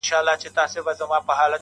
که محشر نه دی نو څه دی٫